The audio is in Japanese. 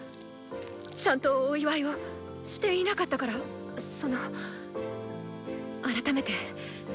ちゃんとお祝いをっしていなかったからその改めて。